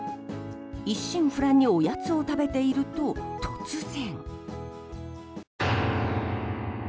一心不乱におやつを食べていると突然。